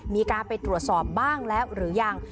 มีการไปตรวจสอบบ้างแล้วหรือยัง